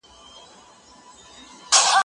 که وخت وي، کتاب وليکم،،